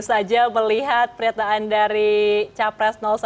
kita baru saja melihat pernyataan dari capres satu